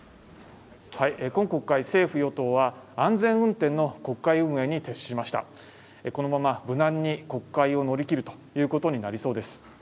今国会政府与党は安全運転の国会運営に徹しましたこのまま無難に国会を乗り切るということになりそうです